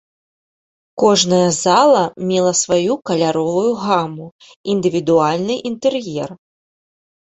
Кожная зала мела сваю каляровую гаму, індывідуальны інтэр'ер.